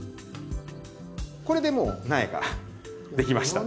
これでもう苗ができました。